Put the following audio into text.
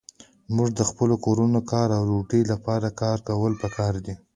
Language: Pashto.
موږ ته د خپلو کورونو، کار او ډوډۍ لپاره کار کول پکار دي.